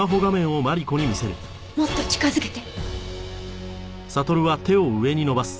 もっと近づけて。